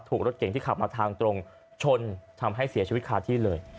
รถเก่งที่ขับมาทางตรงชนทำให้เสียชีวิตคาที่เลย